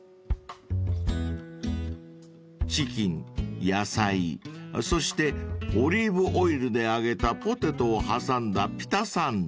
［チキン野菜そしてオリーブオイルで揚げたポテトを挟んだピタサンド］